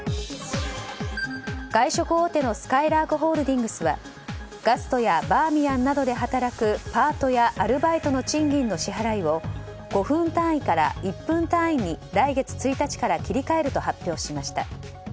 外食大手のすかいらーくホールディングスはガストやバーミヤンなどで働くパートやアルバイトの賃金の支払いを５分単位から１分単位に来月１日から切り替えると発表しました。